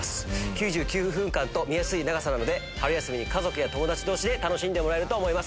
９９分間と見やすい長さなので春休みに家族や友達同士で楽しんでもらえると思います。